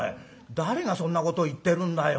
誰がそんなことを言ってるんだよ。